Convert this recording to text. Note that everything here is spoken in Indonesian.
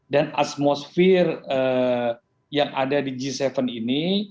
dan atmosfer yang ada di g tujuh ini